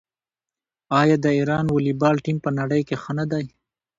آیا د ایران والیبال ټیم په نړۍ کې ښه نه دی؟